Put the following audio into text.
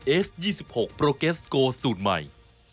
เอส๒๖โปรเกสโกสูตรใหม่